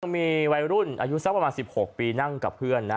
มีวัยรุ่นอายุสักประมาณ๑๖ปีนั่งกับเพื่อนนะ